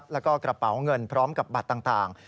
แล้วก็กระเป๋าเงินพร้อมกับบัตรต่าง